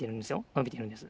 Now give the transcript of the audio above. のびてるんです。